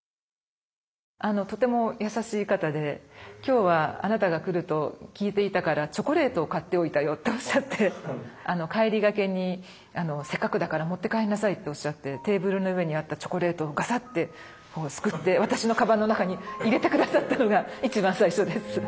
とても優しい方で今日はあなたが来ると聞いていたから帰りがけに「せっかくだから持って帰んなさい」っておっしゃってテーブルの上にあったチョコレートをガサッてすくって私のかばんの中に入れて下さったのが一番最初です。